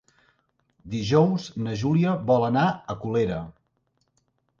Dijous na Júlia vol anar a Colera.